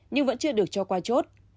nhưng vẫn chưa được cho qua chốt